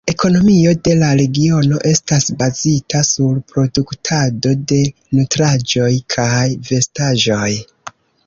Ekonomio de la regiono estas bazita sur produktado de nutraĵoj kaj vestaĵoj.